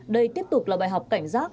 đây tiếp tục là bài học cảnh giác